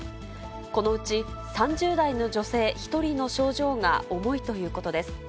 このうち３０代の女性１人の症状が思いということです。